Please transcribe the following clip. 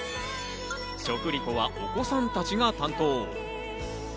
食リポはお子さんたちが担当。